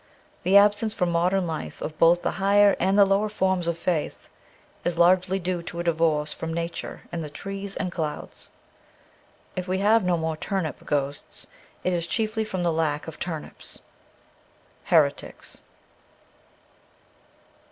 The absence from modern life of both the higher and the lower forms of faith is largely due to a divorce from nature and the trees and clouds. If we have no more turnip ghosts it is chiefly from the lack of turnips. ' Heretics.'